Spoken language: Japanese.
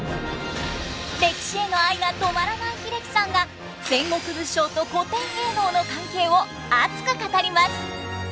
歴史への愛が止まらない英樹さんが戦国武将と古典芸能の関係を熱く語ります！